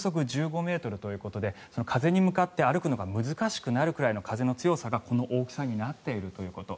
風速１５ｍということで風に向かって歩くのが難しくなるくらいの風の強さがこの大きさになっているということ。